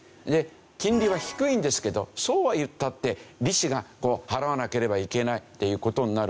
金利は低いんですけどそうはいったって利子が払わなければいけないっていう事になるわけですね。